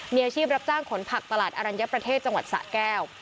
มีอาชีพรับจ้างขนผักตลาดอรัญญประเทศจังหวัดสะแก้ว